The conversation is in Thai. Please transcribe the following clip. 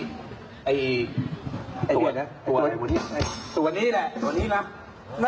ตัวอะไรตัวนี้แหละตัวนี้ละ